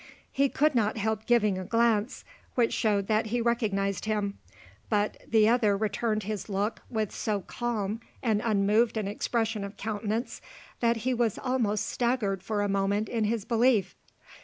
He could not help giving a glance which showed that he recognised him; but the other returned his look with so calm and unmoved an expression of countenance, that he was almost staggered for a moment in his belief.